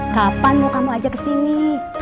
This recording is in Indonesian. kapan mau kamu ajak kesini